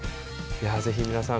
ぜひ皆さん